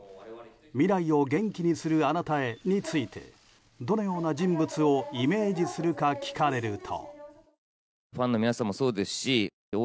「未来を元気にするあなたへ」についてどのような人物をイメージするか聞かれると。